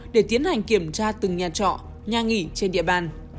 để tiến hành kiểm tra từng nhà trọ nhà nghỉ trên địa bàn